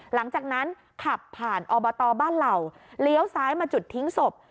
หลังจากนั้นขับผ่านอบตบ้านเหล่าเลี้ยวซ้ายมาจุดทิ้งศพ